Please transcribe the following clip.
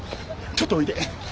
ちょっとおいで。